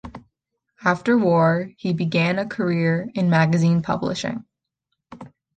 After the war he began a career in magazine publishing.